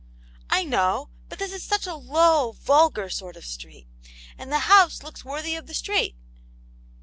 " I know. But this is such a low, vulgar sort of street And the house looks worthy of the street."